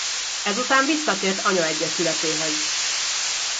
Ezután visszatért anyaegyesületéhez.